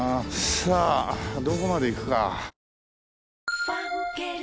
さあどこまで行くか。